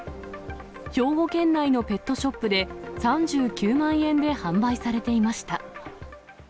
兵庫県内のペットショップで３９万円で販売されていました。